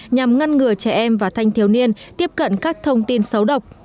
nhằm ngăn ngừa trẻ em và thanh thiếu niên tiếp cận các thông tin xấu độc